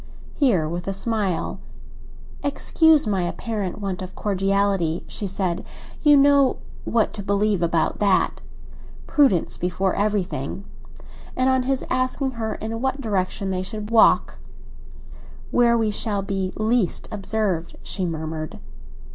Here, with a smile—"Excuse my apparent want of cordiality," she said. "You know what to believe about that. Prudence before everything." And on his asking her in what direction they should walk, "Where we shall be least observed," she murmured.